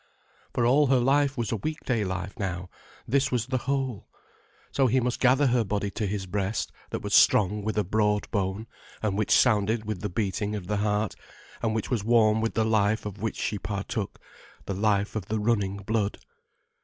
For all her life was a weekday life, now, this was the whole. So he must gather her body to his breast, that was strong with a broad bone, and which sounded with the beating of the heart, and which was warm with the life of which she partook, the life of the running blood.